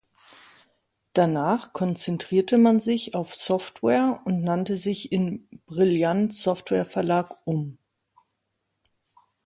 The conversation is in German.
Danach konzentrierte man sich auf Software und nannte sich in "Brilliant Software Verlag" um.